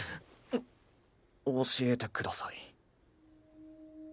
お教えてください。